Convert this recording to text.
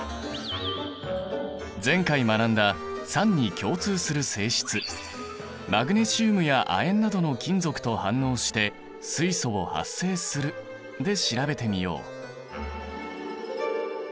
前回学んだ酸に共通する性質「マグネシウムや亜鉛などの金属と反応して水素を発生する」で調べてみよう。